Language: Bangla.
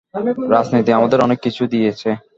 রাজনীতি আমাদের অনেক কিছু দিয়েছে।